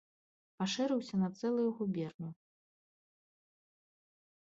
Пашырыўся на цэлую губерню.